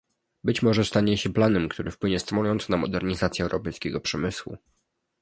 być może stanie się planem, który wpłynie stymulująco na modernizację europejskiego przemysłu